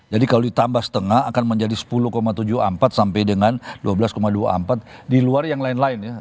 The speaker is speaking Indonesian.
jadi kalau ditambah setengah akan menjadi sepuluh tujuh puluh empat sampai dengan dua belas dua puluh empat di luar yang lain lain ya